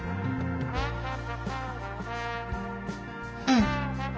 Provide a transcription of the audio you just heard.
うん。